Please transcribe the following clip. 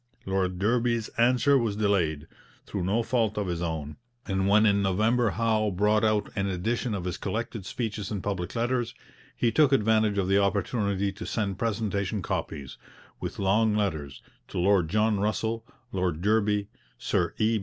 Lord Derby's answer was delayed, through no fault of his own, and when in November Howe brought out an edition of his collected speeches and public letters, he took advantage of the opportunity to send presentation copies, with long letters, to Lord John Russell, Lord Derby, Sir E.